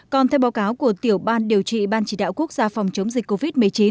còn theo báo cáo của tiểu ban điều trị ban chỉ đạo quốc gia phòng chống dịch covid một mươi chín